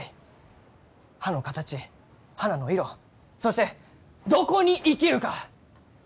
葉の形花の色そしてどこに生きるか！